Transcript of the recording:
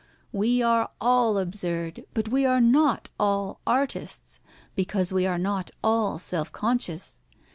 We are all absurd; but we are not all artists, because we are not all self conscious.